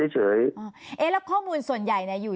ทีนี้วันอาทิตย์หยุดแล้วก็วันจันทร์ก็หยุด